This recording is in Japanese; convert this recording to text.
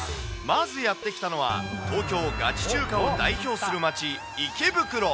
まずやって来たのは、東京ガチ中華を代表する街、池袋。